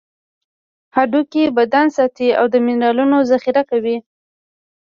هډوکي بدن ساتي او منرالونه ذخیره کوي.